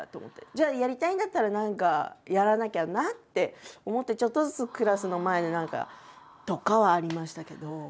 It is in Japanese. じゃあやりたいんだったら何かやらなきゃなって思ってちょっとずつクラスの前で何かとかはありましたけど。